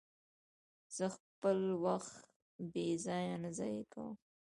زه خپل وخت بې ځایه نه ضایع کوم.